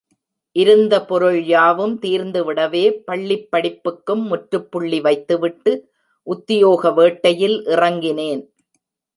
இருந்த பொருள்யாவும் தீர்ந்துவிடவே பள்ளிப்படிப்புக்கும் முற்றுப்புள்ளி வைத்துவிட்டு உத்தியோக வேட்டையில் இறங்கினேன்.